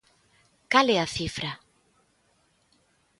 Cal é a cifra?